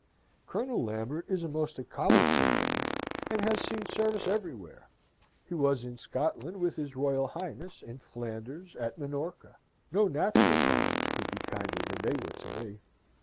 Colonel Lambert is a most accomplished gentleman, and has seen service everywhere. He was in Scotland with his Royal Highness, in Flanders, at Minorca. No natural parents could be kinder than they were to me.